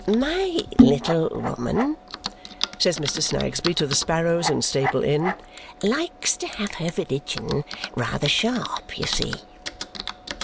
"My little woman," says Mr. Snagsby to the sparrows in Staple Inn, "likes to have her religion rather sharp, you see!"